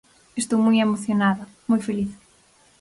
Estou moi emocionada, moi feliz.